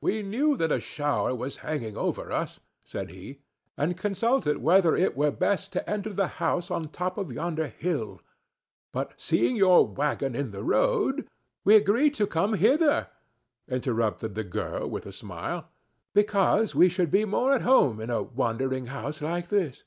"We knew that a shower was hanging over us," said he, "and consulted whether it were best to enter the house on the top of yonder hill, but, seeing your wagon in the road—" "We agreed to come hither," interrupted the girl, with a smile, "because we should be more at home in a wandering house like this."